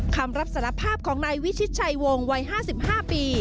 คำรับสารภาพของนายวิชิตชัยวงศ์วัย๕๕ปี